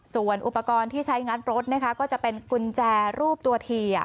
ส่วนอุปกรณ์ที่ใช้งัดรถนะคะก็จะเป็นกุญแจรูปตัวที